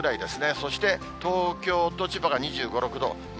そして東京と千葉が２５、６度。